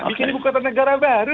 bikin ibu kota negara baru